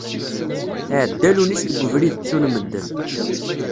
Iεedda Lunis deg ubrid ttun medden.